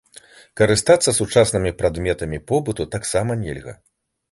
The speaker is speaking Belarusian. Карыстацца сучаснымі прадметамі побыту таксама нельга.